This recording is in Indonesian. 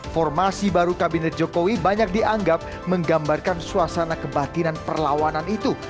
formasi baru kabinet jokowi banyak dianggap menggambarkan suasana kebatinan perlawanan itu